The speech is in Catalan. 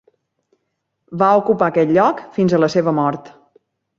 Va ocupar aquest lloc fins a la seva mort.